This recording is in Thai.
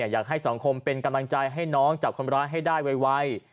อยากให้สังคมเป็นกำลังใจให้น้องจับคนร้ายให้ได้ไว